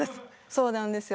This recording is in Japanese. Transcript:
そうなんですよ。